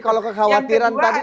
kalau kekhawatiran tadi